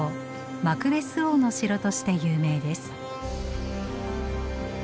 マクベス王の城として有名です。